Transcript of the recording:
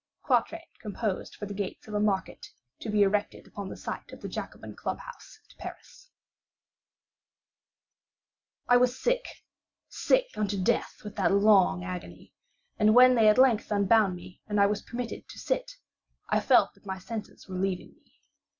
[Quatrain composed for the gates of a market to be erected upon the site of the Jacobin Club House at Paris.] I was sick—sick unto death with that long agony; and when they at length unbound me, and I was permitted to sit, I felt that my senses were leaving me.